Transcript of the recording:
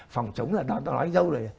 phòng chống là đoàn tạo nói dâu rồi